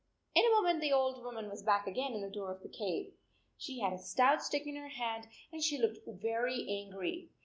In a moment the old woman was back again in the door of the cave. She had a stout stick in her hand and she looked very angry.